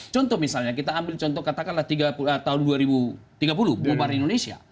contoh misalnya kita ambil contoh katakanlah tahun dua ribu tiga puluh bubar di indonesia